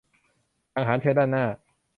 สั่งอาหารเชิญด้านหน้า